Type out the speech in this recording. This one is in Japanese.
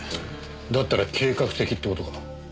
だったら計画的って事か？